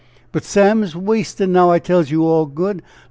But Sam's waystin' now, I tells you all good.